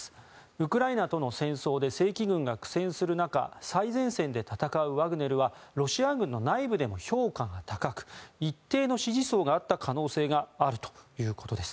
ウクライナとの戦争で正規軍が苦戦する中最前線で戦うワグネルはロシア軍の内部でも評価が高く一定の支持層があった可能性があるということです。